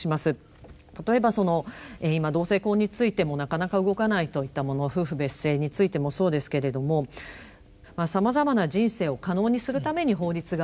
例えばその今同性婚についてもなかなか動かないといったもの夫婦別姓についてもそうですけれどもさまざまな人生を可能にするために法律があるのかですね